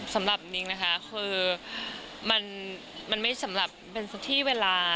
สำหรับนิ้งนะคะคือมันไม่สำหรับเป็นที่เวลา